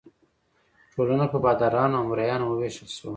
ټولنه په بادارانو او مرئیانو وویشل شوه.